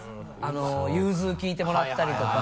融通きいてもらったりとか。